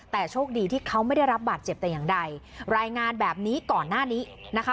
แต่โชคดีที่เขาไม่ได้รับบาดเจ็บแต่อย่างใดรายงานแบบนี้ก่อนหน้านี้นะคะ